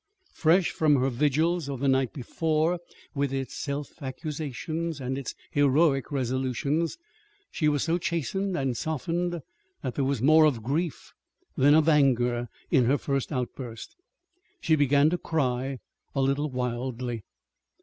Fresh from her vigils of the night before, with its self accusations and its heroic resolutions, she was so chastened and softened that there was more of grief than of anger in her first outburst. She began to cry a little wildly.